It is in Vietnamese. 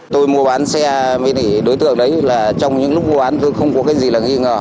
tôi mua bán xe với đối tượng đấy là trong những lúc vụ án tôi không có cái gì là nghi ngờ